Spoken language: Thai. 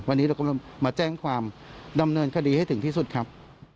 วันนี้เราก็มาแจ้งความดำเนินคดีให้ถึงที่สุดครับ